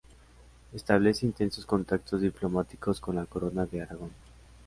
Establece intensos contactos diplomáticos con la Corona de Aragón.